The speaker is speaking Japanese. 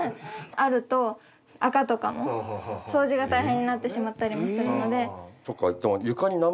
あると垢とかも掃除が大変になってしまったりもするので。